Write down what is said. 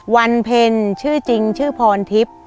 วันเพ็ญชื่อจริงชื่อพรทิพย์